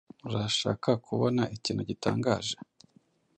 Urashaka kubona ikintu gitangaje?